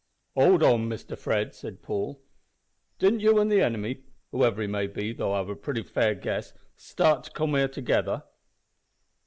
"Hold on, Mr Fred," said Paul; "did you an' the enemy whoever he may be, though I've a pretty fair guess start to come here together?"